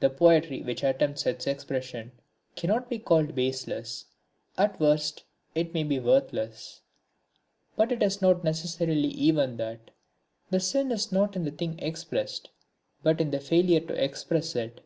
The poetry which attempts its expression cannot be called baseless at worst it may be worthless; but it is not necessarily even that. The sin is not in the thing expressed, but in the failure to express it.